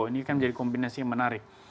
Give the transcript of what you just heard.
ini kan jadi kombinasi yang menarik